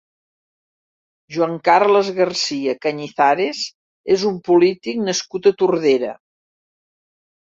Joan Carles Garcia Cañizares és un polític nascut a Tordera.